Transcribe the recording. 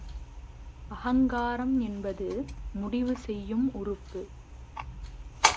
அகங்காரம் என்பது முடிவு செய்யும் உறுப்பு.